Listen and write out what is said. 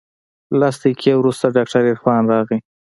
لس دقيقې وروسته ډاکتر عرفان راغى.